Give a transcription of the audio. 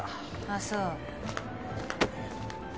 ああそう。